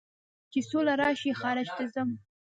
چې سوله راشي خارج ته ځم